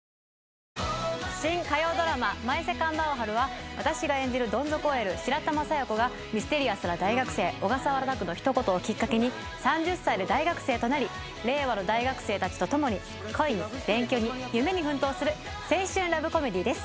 新火曜ドラマ「マイ・セカンド・アオハル」は私が演じるドン底ＯＬ白玉佐弥子がミステリアスな大学生小笠原拓の一言をきっかけに３０歳で大学生となり令和の大学生達とともに恋に勉強に夢に奮闘する青春ラブコメディです